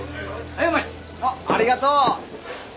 あっありがとう。